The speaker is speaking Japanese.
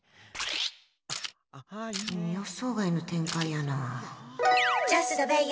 予想外の展開やな。